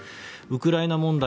ウクライナ問題